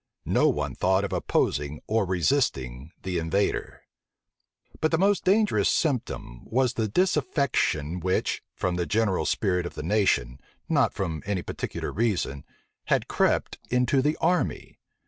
No one thought of opposing or resisting the invader. But the most dangerous symptom was the disaffection which, from the general spirit of the nation, not from any particular reason, had crept into the army.